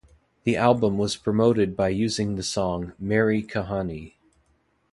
The album was promoted by using the song "Meri Kahani".